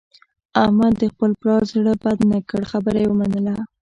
احمد د خپل پلار زړه بد نه کړ، خبره یې ومنله.